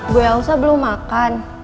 bu elsa belum makan